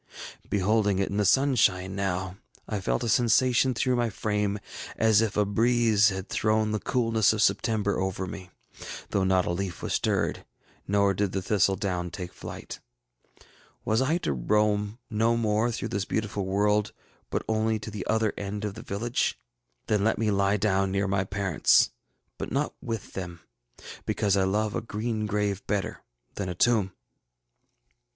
Beholding it in the sunshine now, I felt a sensation through my frame as if a breeze had thrown the coolness of September over me, though not a leaf was stirred, nor did the thistle down take flight. Was I to roam no more through this beautiful world, but only to the other end of the village? Then let me lie down near my parents, but not with them, because I love a green grave better than a tomb.